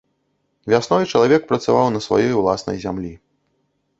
Вясной чалавек працаваў на сваёй уласнай зямлі.